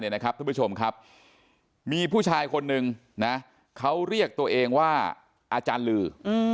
ท่านผู้ชมครับมีผู้ชายคนนึงนะเขาเรียกตัวเองว่าอาจารย์ลือ